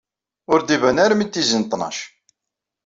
Ur d-iban armi d tizi n ttnac.